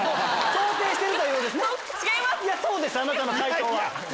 そうですあなたの解答は。